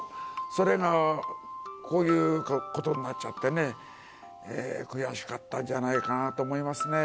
それがこういうことになっちゃってね、悔しかったんじゃないかなと思いますね。